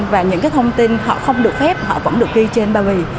và những thông tin họ không được phép họ vẫn được ghi trên bao bì